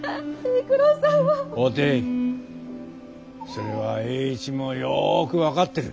それは栄一もよぉく分かってる。